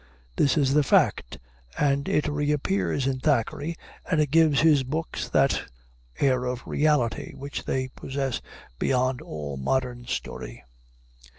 This is the fact, and it reappears in Thackeray, and it gives his books that air of reality which they possess beyond all modern story.